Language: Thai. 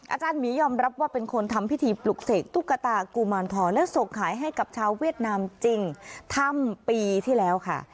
อาจารย์หมียอมรับว่าเป็นคนทำพิธีปลุกเสกตุ๊กตากุมารทองและส่งขายให้กับชาวเวียดนามจริงทำปีที่แล้วค่ะ